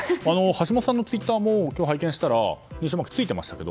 橋下さんのツイッターも今日、拝見したら認証マークがついていましたが。